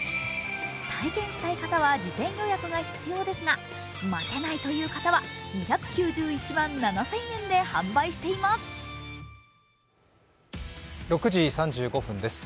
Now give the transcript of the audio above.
体験したい方は事前予約が必要ですが待てないという方は２９１万７０００円で販売しています。